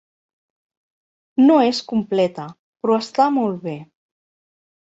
No és completa però està molt bé.